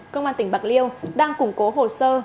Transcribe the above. công an tỉnh bạc liêu đang củng cố hồ sơ